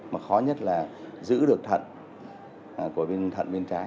mà khó nhất là giữ được thận của bên thận bên trái